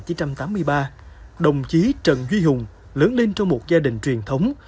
năm một nghìn chín trăm tám mươi ba đồng chí trần duy hùng lớn lên trong một gia đình truyền thống